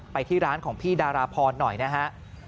ไปที่ร้านของพี่ดาราพรหน่อยนะฮะ